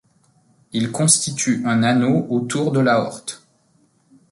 Il constitue un anneau autour de l'aorte.